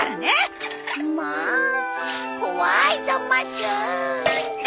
んまあ怖いざます！